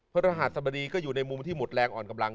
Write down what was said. พระรหัสบดีก็อยู่ในมุมที่หมดแรงอ่อนกำลัง